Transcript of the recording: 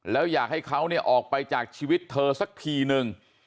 แล้วอยากให้เขาเนี่ยออกไปจากชีวิตเธอสักทีนึง